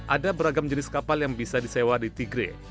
ada beragam jenis kapal yang bisa disewa di tigre